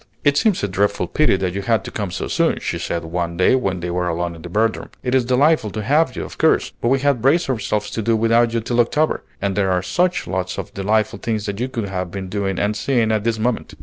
"It seems a dreadful pity that you had to come so soon," she said one day when they were alone in their bedroom. "It's delightful to have you, of course; but we had braced ourselves to do without you till October, and there are such lots of delightful things that you could have been doing and seeing at this moment."